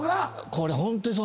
これホントにそう。